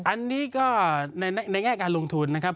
อันนี้ก็ในแง่การลงทุนนะครับ